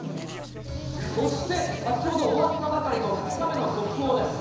そして、先ほど終わったばかりの２日目の速報です。